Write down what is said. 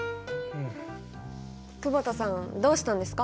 久保田さんどうしたんですか？